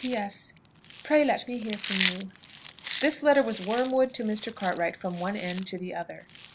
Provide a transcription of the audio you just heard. "P. S. Pray let me hear from you." This letter was wormwood to Mr. Cartwright from one end to the other.